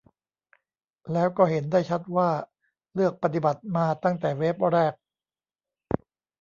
แล้วก็เห็นได้ชัดว่าเลือกปฏิบัติมาตั้งแต่เวฟแรก